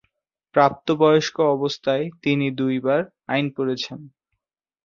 প্রাপ্তবয়স্ক অবস্থায়, তিনি দুইবার আইন পড়েছেন।